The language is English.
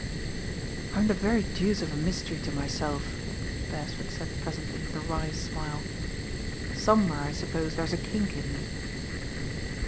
"I'm the very deuce of a mystery to myself," Beresford said presently with a wry smile. "Some where I suppose there's a kink in me."